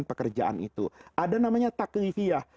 pekerjaan itu ada namanya taklifiyah